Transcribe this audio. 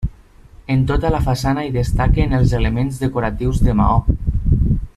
En tota la façana hi destaquen els elements decoratius de maó.